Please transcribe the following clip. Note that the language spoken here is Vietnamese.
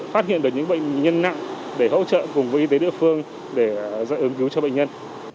phát hiện được những bệnh nhân nặng để hỗ trợ cùng với y tế địa phương để dạy ứng cứu cho bệnh nhân